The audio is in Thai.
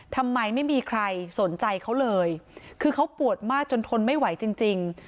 ทำไมไม่มีใครสนใจเขาเลยคือเขาปวดมากจนทนไม่ไหวจริงจริง